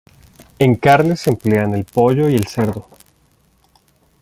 En carnes se emplean el pollo, y el cerdo.